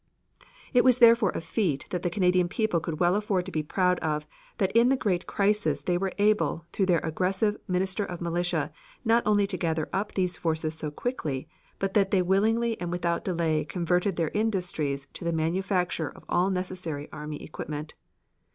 It was therefore a feat that the Canadian people could well afford to be proud of, that in the great crisis they were able, through their aggressive Minister of Militia, not only to gather up these forces so quickly but that they willingly and without delay converted their industries to the manufacture of all necessary army equipment.